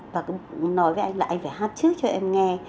và cũng nói với anh là anh phải hát trước cho em nghe